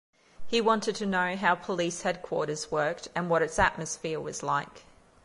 He wanted to know how Police Headquarters worked and what its atmosphere was like.